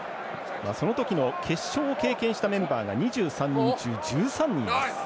その時の決勝を経験したメンバー２３人中１３人います。